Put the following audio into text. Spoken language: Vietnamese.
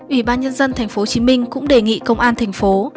ủy ban nhân dân tp hcm cũng đề nghị công an thành phố